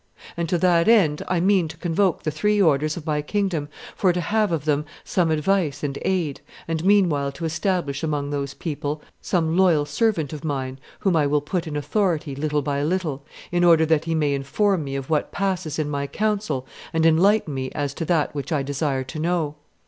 And to that end, I mean to convoke the three orders of my kingdom, for to have of them some advice and aid, and meanwhile to establish among those people some loyal servant of mine, whom I will put in authority little by little, in order that he may inform me of what passes in my council, and enlighten me as to that which I desire to know.